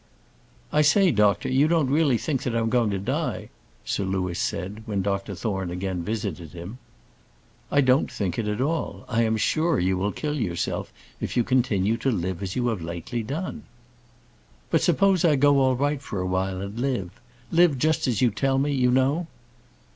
"I say, doctor, you don't really think that I'm going to die?" Sir Louis said, when Dr Thorne again visited him. "I don't think at all; I am sure you will kill yourself if you continue to live as you have lately done." "But suppose I go all right for a while, and live live just as you tell me, you know?"